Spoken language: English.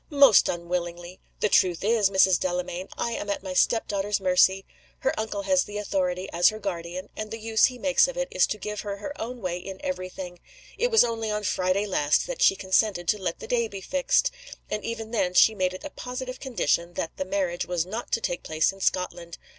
"Most unwillingly! The truth is, Mrs. Delamayn, I am at my step daughter's mercy. Her uncle has the authority, as her guardian and the use he makes of it is to give her her own way in every thing. It was only on Friday last that she consented to let the day be fixed and even then she made it a positive condition that the marriage was not to take place in Scotland.